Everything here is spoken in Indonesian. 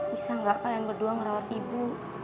bisa nggak kalian berdua ngerawat ibu